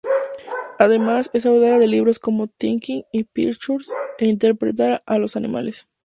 Además, es autora de libros como "Thinking in Pictures" e "Interpretar a los animales".